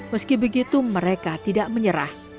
meski begitu mereka tidak menyerah